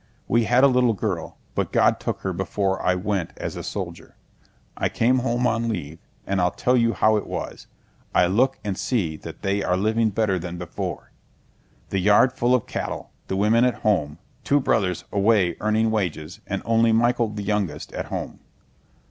We had a little girl, but God took her before I went as a soldier. I come home on leave and I'll tell you how it was, I look and see that they are living better than before. The yard full of cattle, the women at home, two brothers away earning wages, and only Michael the youngest, at home.